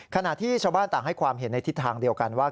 ขณะที่ชาวบ้านต่างให้ความเห็นในทิศทางเดียวกันว่า